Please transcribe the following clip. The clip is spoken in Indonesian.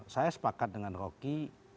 saya sepakat dengan rocky